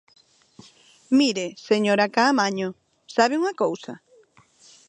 Mire, señora Caamaño, ¿sabe unha cousa?